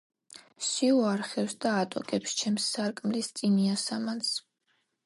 სიო არხევს და ატოკებს ჩემს სარკმლის წინ იასამანს.